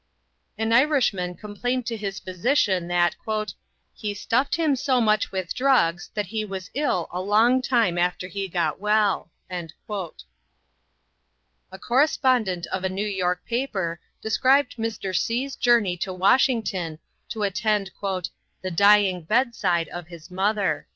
An Irishman complained to his physician that "he stuffed him so much with drugs that he was ill a long time after he got well." A correspondent of a New York paper described Mr. C.'s journey to Washington to attend "the dying bedside of his mother."